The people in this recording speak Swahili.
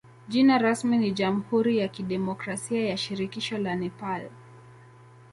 Jina rasmi ni jamhuri ya kidemokrasia ya shirikisho la Nepal.